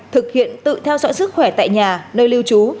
thực hiện tự theo dõi sức khỏe tại nhà nơi lưu trú